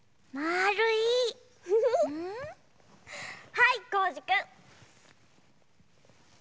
はいこーじくん。